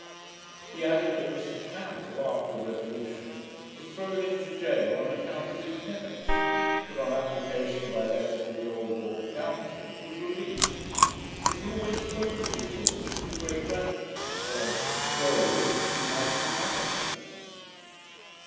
He added that Mr Campbell, after the Revolution, was thrown in gaol on account of his tenets; but, on application by letter to the old Lord Townshend, was released: that he always spoke of his Lordship with great gratitude, saying, 'though a WHIG, he had humanity'.